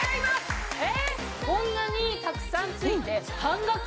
こんなにたくさん付いて半額？